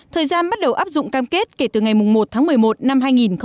thời gian bắt đầu áp dụng cam kết kể từ ngày một tháng một mươi một năm hai nghìn một mươi chín